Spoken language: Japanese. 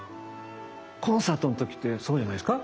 コンサートの時ってそうじゃないですか？